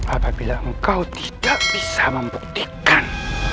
apabila engkau tidak bisa membuktikan